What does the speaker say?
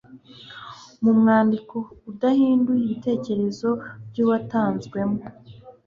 mu mwandiko udahinduye ibitekerezo byawutanzwemo